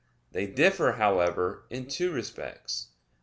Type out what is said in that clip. They differ, however, in two respects.